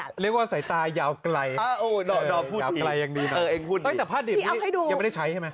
เรียกว่าสายตายาวไกลดอมพูดยาวไกลยังดีนะแต่ผ้าดิบนี้ยังไม่ได้ใช้ใช่ไหม